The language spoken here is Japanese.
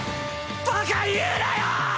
バカ言うなよ！